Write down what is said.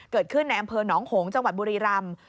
เกิดขึ้นในอำเภอหนองหงจังหวัดบุรีรำ